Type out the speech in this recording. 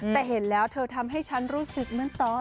แต่เห็นแล้วเธอทำให้ฉันรู้สึกเหมือนตอน